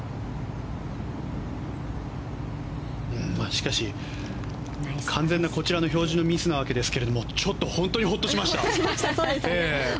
しかし、完全なこちらの表示のミスなわけですけどちょっと本当にホッとしました。